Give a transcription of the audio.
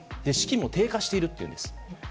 士気も低下しているというんです。